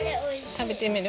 食べてみる？